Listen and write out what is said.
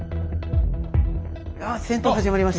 ああ戦闘始まりました。